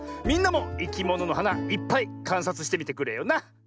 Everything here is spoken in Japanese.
みんなもいきもののはないっぱいかんさつしてみてくれよな！